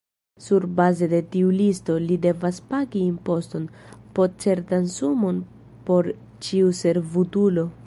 Surbaze de tiu listo, li devas pagi imposton, po certan sumon por ĉiu servutulo.